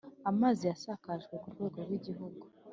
Amazi yasakajwe ku rwego rw igihugu.